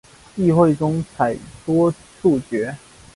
议会中采多数决。